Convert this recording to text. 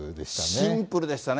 シンプルでしたね。